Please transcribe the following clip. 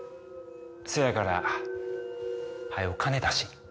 せやからはよ金出し。